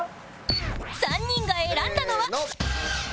３人が選んだのは？